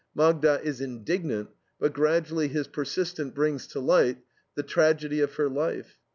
Magda is indignant, but gradually his persistence brings to light the tragedy of her life.